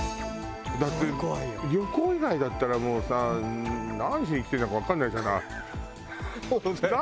だって旅行以外だったらもうさ何しに来てるのかわからないじゃない。